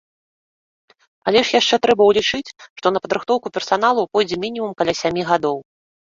Але ж яшчэ трэба ўлічыць, што на падрыхтоўку персаналу пойдзе мінімум каля сямі гадоў.